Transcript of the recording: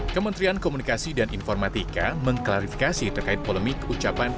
kementerian komunikasi dan informatika mengklarifikasi terkait polemik ucapan